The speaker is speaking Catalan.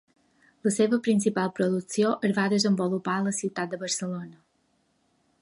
La seva principal producció es va desenvolupar a la ciutat de Barcelona.